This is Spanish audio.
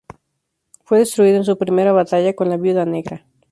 Fue destruido en su primera batalla con la Viuda Negra.